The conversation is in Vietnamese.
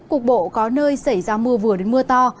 cục bộ có nơi xảy ra mưa vừa đến mưa to